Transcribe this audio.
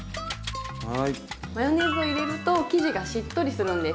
マヨネーズを入れると生地がしっとりするんです。